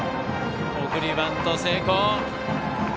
送りバント成功。